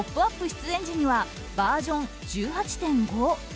出演時にはバージョン１８．５。